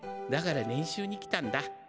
だから練習に来たんだ。